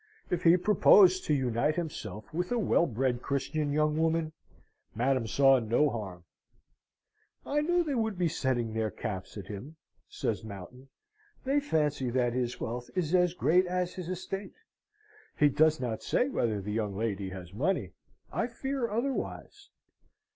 If he proposed to unite himself with a well bred Christian young woman, Madam saw no harm. "I knew they would be setting their caps at him," says Mountain. "They fancy that his wealth is as great as his estate. He does not say whether the young lady has money. I fear otherwise."